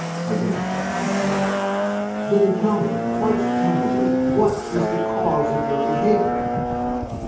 Again the hands went out. "Then tell me, quite candidly, what is the cause of your behaviour?"